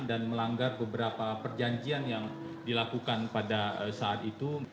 dan melanggar beberapa perjanjian yang dilakukan pada saat itu